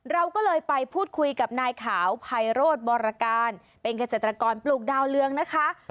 เราก็เลยไปพูดคุยกับนายขาวไพโรธบรการเป็นเกษตรกรปลูกดาวเรืองนะคะ